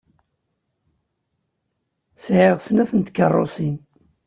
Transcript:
Sɛiɣ snat n tkeṛṛusin.